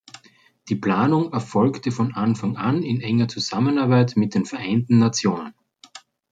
Die Planung erfolgte von Anfang an in enger Zusammenarbeit mit den Vereinten Nationen.